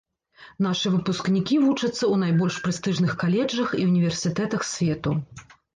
Нашы выпускнікі вучацца ў найбольш прэстыжных каледжах і ўніверсітэтах свету.